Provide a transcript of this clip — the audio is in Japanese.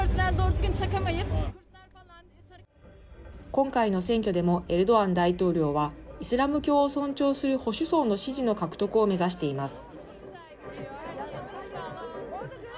今回の選挙でも、エルドアン大統領はイスラム教を尊重する保守層の支持の獲得を目指しています。